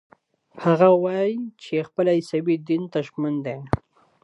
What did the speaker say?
هغه وايي چې خپل عیسوي دین ته ژمن دی.